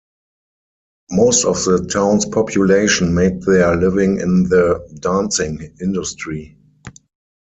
Most of the town's population made their living in the dancing industry.